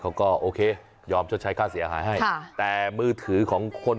เขาก็โอเคยอมชดใช้ค่าเสียหายให้ค่ะแต่มือถือของคน